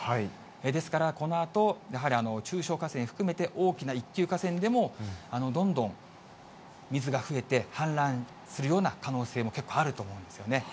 ですからこのあと、やはり中小河川含めて、大きな一級河川でも、どんどん水が増えて氾濫するような可能性も結構あると思うんですよね。